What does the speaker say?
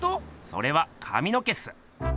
それはかみの毛っす。